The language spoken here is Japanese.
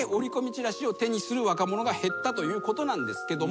チラシを手にする若者が減ったということなんですけども。